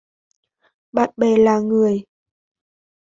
Bạn bè là người